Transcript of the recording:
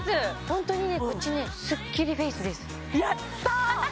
本当にねこっちねスッキリフェイスですやったー！